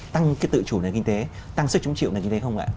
tăng sức chủ nền kinh tế tăng sức chủng chịu nền kinh tế không ạ